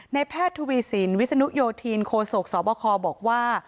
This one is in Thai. แพทย์ทวีสินวิศนุโยธินโคศกสบคบอกว่า